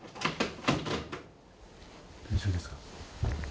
大丈夫ですか？